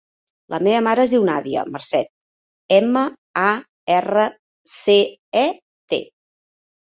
La meva mare es diu Nàdia Marcet: ema, a, erra, ce, e, te.